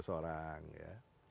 dua ratus orang ya